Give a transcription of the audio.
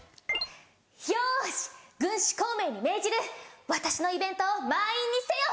「よし軍師孔明に命じる私のイベントを満員にせよ！